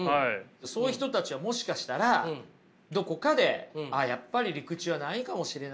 そういう人たちはもしかしたらどこかでああやっぱり陸地はないかもしれないって諦めたんじゃないか。